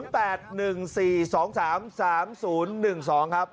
เบอร์นี้ครับ๐๘๑๔๒๓๓๐๑๒ครับ